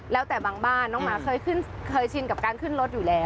แล้วแต่บางบ้านน้องหมาเคยชินกับการขึ้นรถอยู่แล้ว